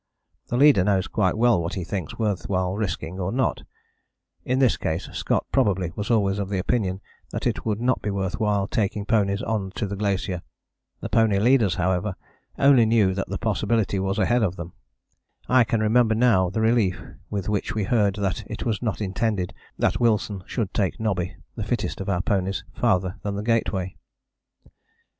The leader knows quite well what he thinks worth while risking or not: in this case Scott probably was always of the opinion that it would not be worth while taking ponies on to the glacier. The pony leaders, however, only knew that the possibility was ahead of them. I can remember now the relief with which we heard that it was not intended that Wilson should take Nobby, the fittest of our ponies, farther than the Gateway.